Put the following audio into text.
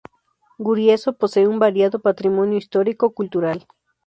Guriezo posee un variado patrimonio histórico-cultural.